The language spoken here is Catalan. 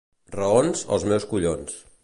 Raons, els meus collons.